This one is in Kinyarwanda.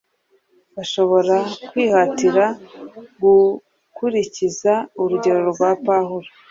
bashobora kwihatira gukurikiza urugero rwa Pawulo